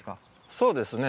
そうですね。